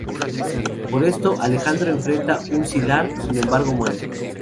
Por esto Alejandro enfrenta a Sylar, sin embargo muere.